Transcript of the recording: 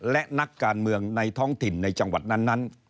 และนักการเมืองในท้องถิ่นในจังหวัดนั้น